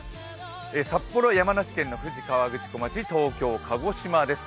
札幌、山梨県の富士河口湖町、東京、鹿児島です。